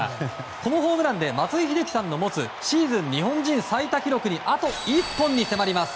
このホームランで松井秀喜さんの持つシーズン日本人最多記録にあと１本に迫ります。